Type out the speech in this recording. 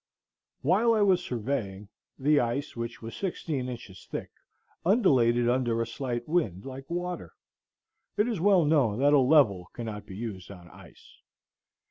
While I was surveying, the ice, which was sixteen inches thick, undulated under a slight wind like water. It is well known that a level cannot be used on ice.